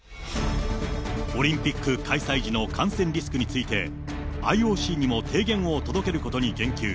オリンピック開催時の感染リスクについて、ＩＯＣにも提言を届けることに言及。